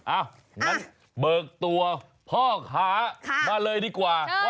อ้าวเปิกออกรายการตัวพ่อขามาเลยดีกว่า